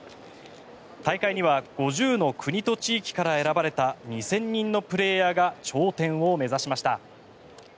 大会には５０の国と地域から選ばれた２０００人のプレーヤーが頂点を目指しました。